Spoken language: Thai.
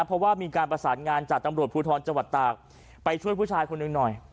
เพราะว่ามีการประสานงานจากตำรวจภูทรจังหวัดตากไปช่วยผู้ชายคนหนึ่งหน่อย